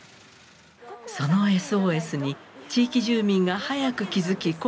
そのＳＯＳに地域住民が早く気付き